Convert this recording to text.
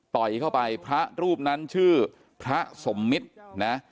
เข้าไปพระรูปนั้นชื่อพระสมมิตรนะ